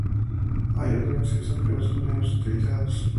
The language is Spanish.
Hay otros acceso, pero son menos utilizados.